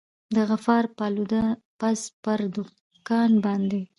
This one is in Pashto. د غفار پالوده پز پر دوکان باندي.